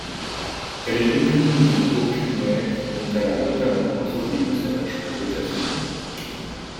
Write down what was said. Elle est l'éponyme du robot culinaire dont elle a notamment introduit l'usage aux États-Unis.